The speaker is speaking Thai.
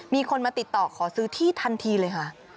มีคนมาติดต่อขอซื้อที่ทันทีเลยค่ะ